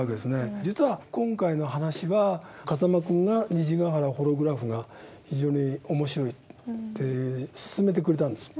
実は今回の話は風間君が「虹ヶ原ホログラフ」が非常に面白いって薦めてくれたんです。